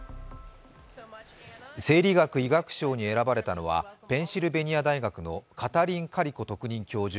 生理学・医学賞に選ばれたのはペンシルベニア大学のカタリン・カリコ特任教授